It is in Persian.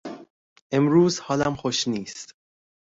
امروز حالم خوش نیست.